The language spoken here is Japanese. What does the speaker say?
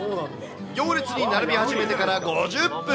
行列に並び始めてから５０分。